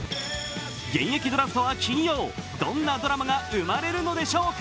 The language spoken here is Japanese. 現役ドラフトは金曜、どんなドラマが生まれるのでしょうか。